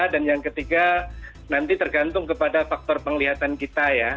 dan yang ketiga nanti tergantung kepada faktor penglihatan kita ya